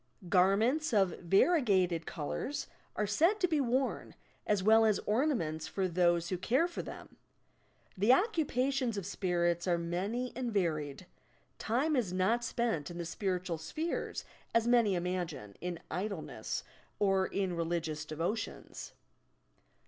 '' Garments '' of variegated colours are said to be worn, as well as ornaments for those who care for them. The occupations of spirits are many and varied. Time is not spent in the spiritual spheres, as many imagine, in idleness or in religious devotions.